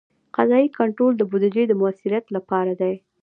قضایي کنټرول د بودیجې د مؤثریت لپاره دی.